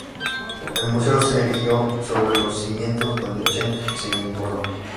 El museo se erigió sobre los cimientos donde Cheng se inmoló.